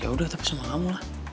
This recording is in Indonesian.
ya udah tapi sama kamu lah